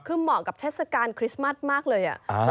คือเหมาะกับเทศกาลคริสต์มัสมากเลย